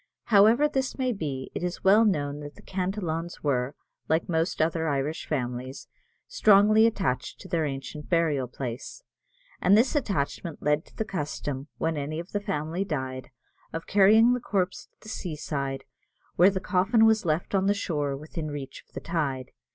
However this may be, it is well known that the Cantillons were, like most other Irish families, strongly attached to their ancient burial place; and this attachment led to the custom, when any of the family died, of carrying the corpse to the seaside, where the coffin was left on the shore within reach of the tide.